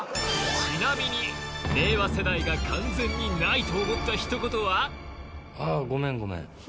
ちなみに令和世代が「完全にない！」と思ったひと言はああごめんごめん